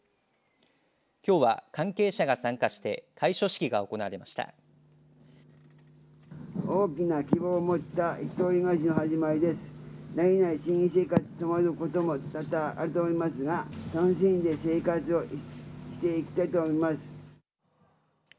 きょうは関係者が参加して開所式が行われました。